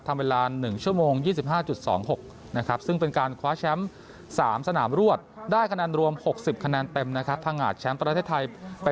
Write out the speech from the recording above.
ทำเวลา๑ชั่วโมง๒๕๒๖นะครับซึ่งเป็นการคว้าแชมป์๓สนามรวดได้คะแนนรวม๖๐คะแนนเต็มนะครับ